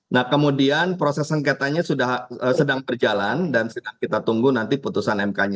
nah kemudian proses sengketanya sudah sedang berjalan dan sedang kita tunggu nanti putusan mk nya